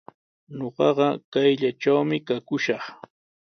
Ñuqaqa kayllatrawmi kakushaq.